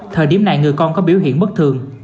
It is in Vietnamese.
thời điểm này người con có biểu hiện bất thường